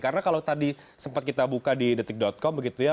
karena kalau tadi sempat kita buka di detik com begitu ya